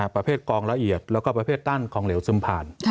ประเภทกองละเอียดแล้วก็ประเภทตั้นของเหลวซึมผ่าน